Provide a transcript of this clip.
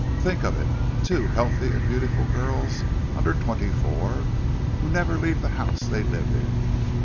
Think of it! two healthy and beautiful girls under twenty four who never leave the house they live in!